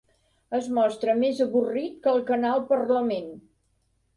Es mostra més avorrit que el Canal Parlament.